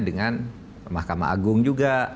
dengan mahkamah agung juga